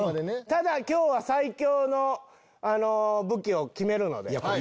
ただ今日は最強の武器を決めるので。